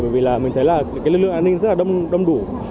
bởi vì là mình thấy là lực lượng an ninh rất là đông đủ